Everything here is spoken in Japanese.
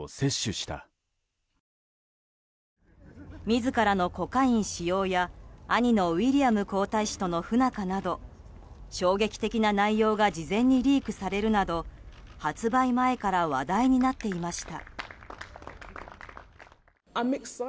自らのコカイン使用や兄のウィリアム皇太子との不仲など衝撃的な内容が事前にリークされるなど発売前から話題になっていました。